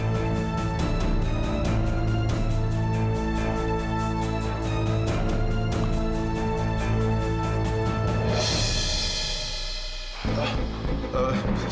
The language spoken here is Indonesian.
tidak ada apa apa